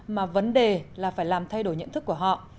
mà vấn đề là phải làm thay đổi nhận thức của họ